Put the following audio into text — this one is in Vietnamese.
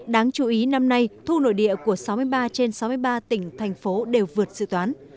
đáng chú ý năm nay thu nội địa của sáu mươi ba trên sáu mươi ba tỉnh thành phố đều vượt dự toán